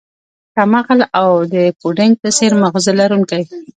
کم عقل او د پوډینګ په څیر ماغزه لرونکی